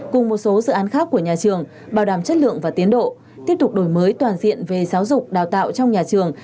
cùng một số dự án khác của nhà trường bảo đảm chất lượng và tiến độ tiếp tục đổi mới toàn diện về giáo dục đào tạo trong nhà trường